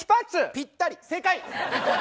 ぴったり正解。